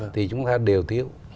thì chúng ta đều thiếu